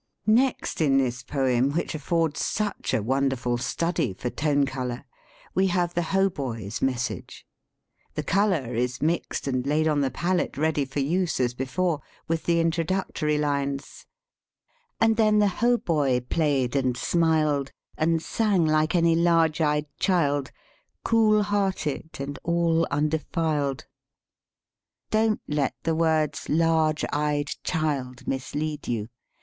Next in this poem which affords such a wonderful study for tone color, we have the hautboy's message. The color is mixed and laid on the palette ready for use as before, with the introductory lines: " And then the hautboy played and smiled, And sang like any large eyed Child, Cool hearted and all undefiled." Don't let the words "large eyed Child" mis lead you.